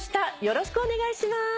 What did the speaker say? よろしくお願いします。